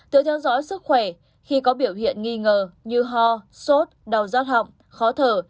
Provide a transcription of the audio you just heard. tự theo dõi sức khỏe khi có biểu hiện nghi ngờ như ho sốt đau rót họng khó thở